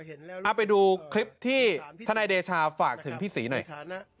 เอาไปดูคลิปที่ธนายเดชาฝากถึงพี่ศรีหน่อย